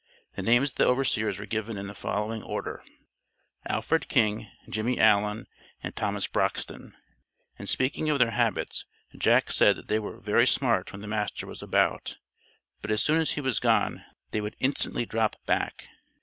The names of the overseers were given in the following order: "Alfred King, Jimmy Allen, and Thomas Brockston." In speaking of their habits, Jack said, that they were "very smart when the master was about, but as soon as he was gone they would instantly drop back."